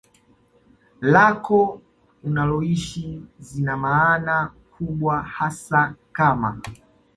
lako unaloishi zina maana kubwa hasa kama